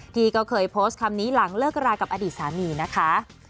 ที่ก็เคยโพสต์คำนี้หลังเลิกรากับอดีตสามีนะคะ